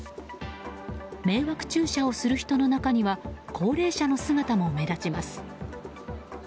迷惑駐車をする人の中には高齢者の姿も目立ちます。